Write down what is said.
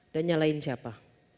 udah nyalain siapa